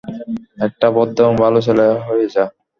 একটা ভদ্র এবং ভালো ছেলে হয়ে যা।